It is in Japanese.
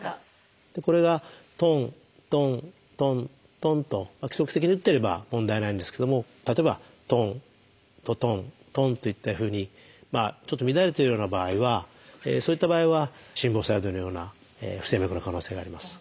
これがトントントントンと規則的に打ってれば問題ないんですけども例えばトントトントンといったふうにちょっと乱れてるような場合はそういった場合は心房細動のような不整脈の可能性があります。